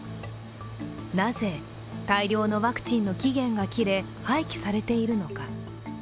なぜ大量のワクチンの期限が切れ廃棄されているのか。